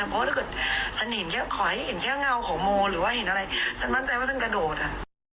เพราะว่าถ้าเกิดฉันเห็นแค่ขอให้เห็นแค่เงาของโมหรือว่าเห็นอะไรฉันมั่นใจว่าฉันกระโดดอ่ะ